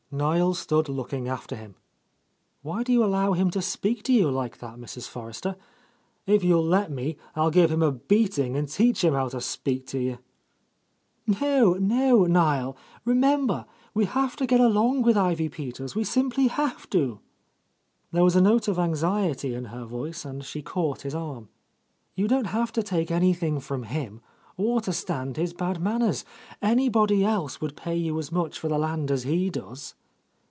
Niel stood looking after him. "Why do you allow him to speak to you like that, Mrs. For rester? If you'll let me. I'll give him a beating and teach him how to spfeak to you." "No, no, Niell Remember, we have to get along with Ivy Peters, we simply have to!" There was a note of anxiety in her voice, and she caught his arm. "You don't have to take anything from him, or to stand his bad manners. Anybody else would pay you as much for the land as he does."